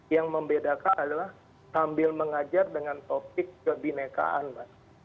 yang membedakan adalah sambil mengajar dengan topik kebinekaan mbak